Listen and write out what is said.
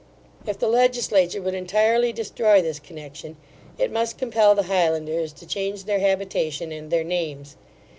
If the legislature would entirely destroy this connection, it must compel the Highlanders to change their habitation and their names.